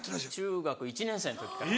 中学１年生の時から。